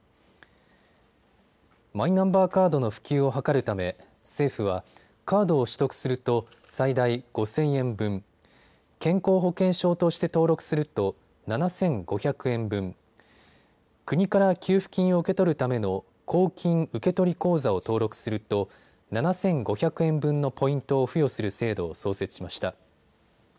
マイナンバーカードの普及を図るため政府はカードを取得すると最大５０００円分、健康保険証として登録すると７５００円分、国から給付金を受け取るための公金受取口座を登録すると７５００円分のポイントを付与する制度を創設しました。